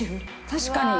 確かに。